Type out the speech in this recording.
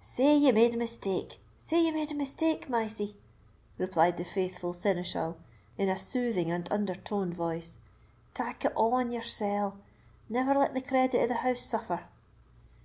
"Say ye made a mistake—say ye made a mistake, Mysie," replied the faithful seneschal, in a soothing and undertoned voice; "tak it a' on yoursell; never let the credit o' the house suffer."